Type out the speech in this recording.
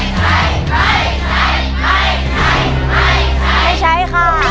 ใช้ใช้ใช้ไม่ใช้ไม่ใช้ไม่ใช้ไม่ใช้ไม่ใช้